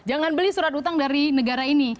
jangan beli surat utang dari negara ini